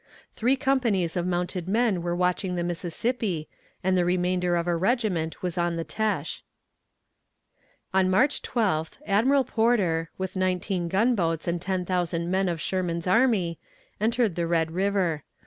Three companies of mounted men were watching the Mississippi, and the remainder of a regiment was on the Têche. On March 12th Admiral Porter, with nineteen gunboats and ten thousand men of Sherman's army, entered the Red River.